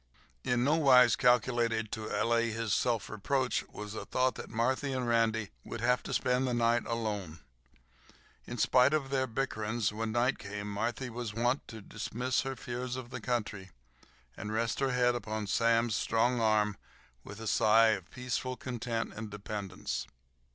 In nowise calculated to allay his self reproach was the thought that Marthy and Randy would have to pass the night alone. In spite of their bickerings, when night came Marthy was wont to dismiss her fears of the country, and rest her head upon Sam's strong arm with a sigh of peaceful content and dependence.